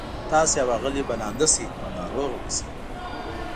تاسي او آغلې به لانده شئ او ناروغه به شئ.